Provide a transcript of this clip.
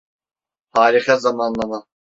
Harika zamanlama.